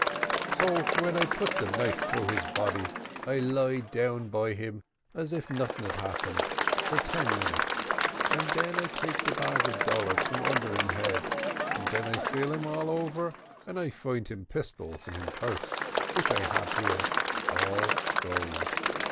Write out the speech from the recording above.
"So when I put de knife through his body, I lie down by him, as if noting had happened, for ten minute, and den I take de bag of dollars from under him head, and den I feel him all over, and I find him pistols and him purse, which I hab here, all gold.